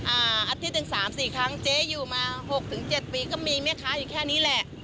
อัตริตถึง๓๔ครั้งเจ๊อยู่กันมา๖๗ปีก็มีแม่ค้าแค่นี้แหละ